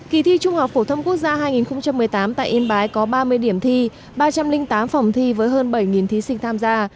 kỳ thi trung học phổ thông quốc gia hai nghìn một mươi tám tại yên bái có ba mươi điểm thi ba trăm linh tám phòng thi với hơn bảy thí sinh tham gia